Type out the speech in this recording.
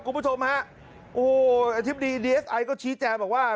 กลุ่มผู้ชมฮะโอ้โหอธิบดีดีเอสไอก็ชี้แจบว่า